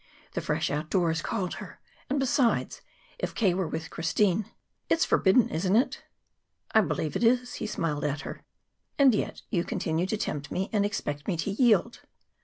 The fresh outdoors called her. And, besides, if K. were with Christine "It's forbidden, isn't it?" "I believe it is." He smiled at her. "And yet, you continue to tempt me and expect me to yield!"